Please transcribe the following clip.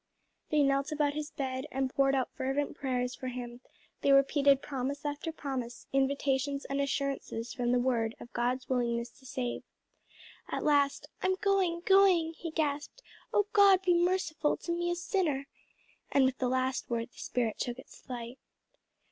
They knelt about his bed and poured out fervent prayers for him; they repeated promise after promise, invitations and assurances from the word, of God's willingness to save. At last, "I'm going, going!" he gasped. "Oh God be merciful to me a sinner!" And with the last word the spirit took its flight.